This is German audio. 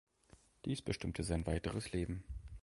Dies bestimmte sein weiteres Leben.